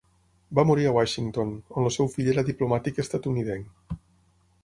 Va morir a Washington, on el seu fill era diplomàtic estatunidenc.